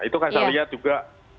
itu kan saya lihat juga